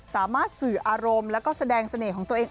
สามารถสื่ออารมณ์แล้วก็แสดงเสน่ห์ของตัวเอง